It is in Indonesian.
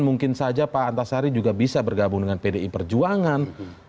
mungkin saja pak antasari juga bisa bergabung dengan pdi perjuangan